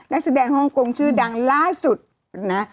นักแสดงฮ่องกงชื่อดังล่าสุดนะ